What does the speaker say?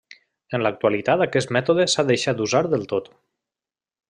En l'actualitat aquest mètode s'ha deixat d'usar del tot.